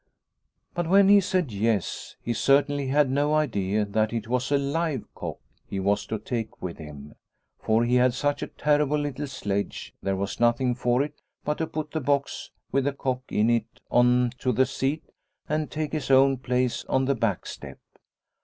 But when he said "yes" he certainly had no idea that it was a live cock he was to take with him. For he had such a terribly little sledge, there was nothing for it but to put the box with the cock in it on to the seat and take his own place on the back step.